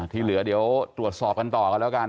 ที่เหลือเดี๋ยวตรวจสอบกันต่อกันแล้วกัน